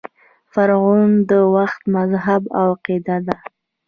د فرعنوو د وخت مذهب او عقیده :